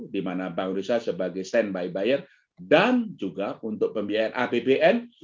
di mana bank indonesia sebagai standby buyer dan juga untuk pembiayaan apbn